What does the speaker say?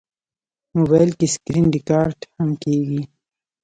موبایل کې سکرینریکارډ هم کېږي.